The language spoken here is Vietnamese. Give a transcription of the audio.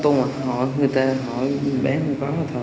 các ông tôi mà hỏi người ta hỏi bán quán là thôi